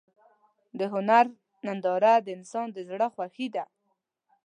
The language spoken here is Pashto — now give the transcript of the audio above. د هنر ننداره د انسان د روح خوښي ده.